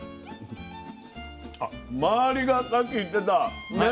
周りがさっき言ってたね